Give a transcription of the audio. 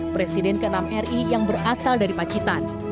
presiden ke enam ri yang berasal dari pacitan